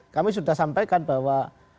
kami sudah sampaikan bahwa